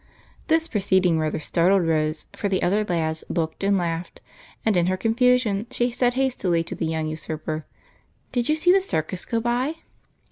This proceeding rather startled Rose, for the other lads looked and laughed, and in her confusion she said hastily to the young usurper, —" Did you see the circus go by